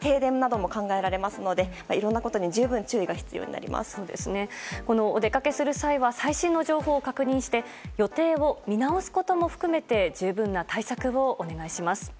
停電なども考えられますのでいろんなことにお出かけする際は最新の情報を確認して予定を見直すことも含めて十分な対策をお願いします。